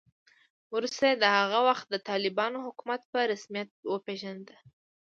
وروسته یې د هغه وخت د طالبانو حکومت په رسمیت وپېژاند